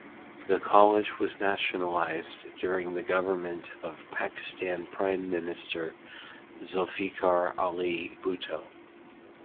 The college was nationalized during the government of Pakistan Prime Minister Zulfikar Ali Bhutto.